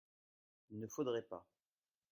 il ne faudrait pas.